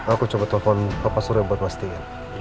aku coba telfon pak surya buat pastiin